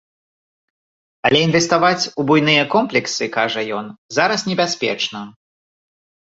Але інвеставаць у буйныя комплексы, кажа ён, зараз небяспечна.